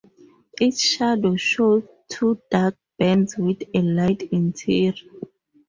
Its shadow shows two dark bands with a light interior.